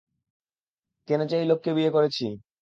কেন যে এই লোককে বিয়ে করেছি।